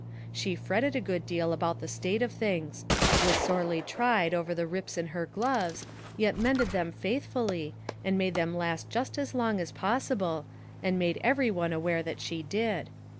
She fretted a good deal about the state of things; was sorely tried over the rips in her gloves, yet mended them faithfully, and made them last just as long as possible, and made every one aware that she did.